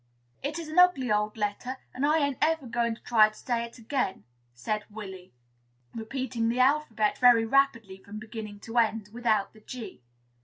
"It is an ugly old letter, and I ain't ever going to try to say it again," said Willy, repeating the alphabet very rapidly from beginning to end, without the G.